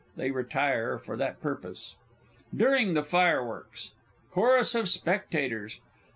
[They retire for that purpose. DURING THE FIREWORKS. CHORUS OF SPECTATORS.